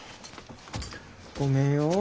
ごめんよ。